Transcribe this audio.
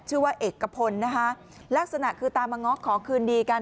ชื่อว่าเอกพลนะคะลักษณะคือตามมาง้อขอคืนดีกัน